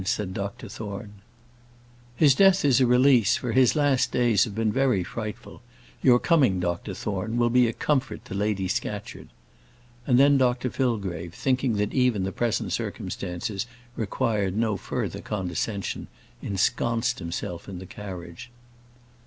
said Dr Thorne. "His death is a release; for his last days have been very frightful. Your coming, Dr Thorne, will be a comfort to Lady Scatcherd." And then Dr Fillgrave, thinking that even the present circumstances required no further condescension, ensconced himself in the carriage.